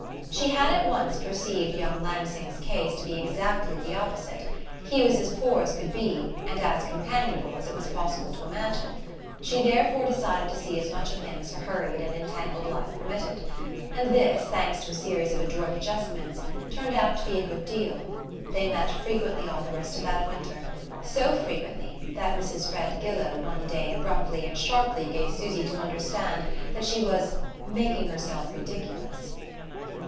She had at once perceived young Lansing's case to be exactly the opposite: he was as poor as he could be, and as companionable as it was possible to imagine. She therefore decided to see as much of him as her hurried and entangled life permitted; and this, thanks to a series of adroit adjustments, turned out to be a good deal. They met frequently all the rest of that winter; so frequently that Mrs. Fred Gillow one day abruptly and sharply gave Susy to understand that she was "making herself ridiculous."